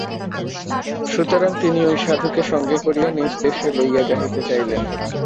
সুতরাং তিনি ঐ সাধুকে সঙ্গে করিয়া নিজ দেশে লইয়া যাইতে চাহিলেন।